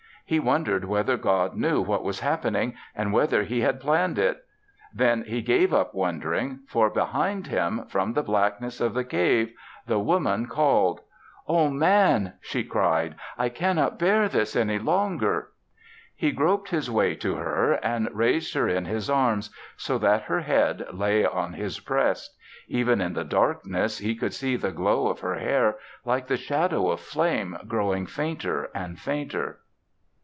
He wondered whether God knew what was happening and whether He had planned it. Then he gave up wondering, for behind him, from the blackness of the cave, the Woman called. "Oh, Man," she cried, "I cannot bear this any longer!" He groped his way to her and raised her in his arms so that her head lay on his breast. Even in the darkness he could see the glow of her hair, like the shadow of flame growing fainter and fainter.